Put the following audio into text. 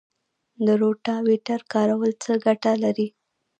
د روټاویټر کارول څه ګټه لري؟